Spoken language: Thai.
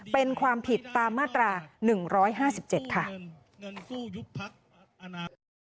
เป็นความผิดตามมาตรา๑๕๗ค่ะ